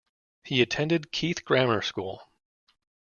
He attended Keith Grammar School.